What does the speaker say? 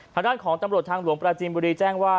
ทางด้านของตำรวจทางหลวงปราจีนบุรีแจ้งว่า